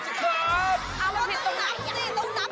พรุ่งนี้๕สิงหาคมจะเป็นของใคร